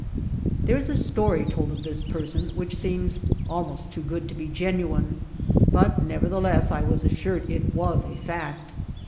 There is a story told of this person which seems almost too good to be genuine, but nevertheless I was assured it was a fact.